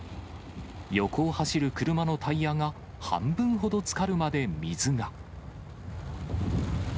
横を走る車のタイヤが半分ほどつかるまで水が。